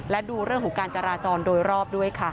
และดูเรื่องของการจราจรโดยรอบด้วยค่ะ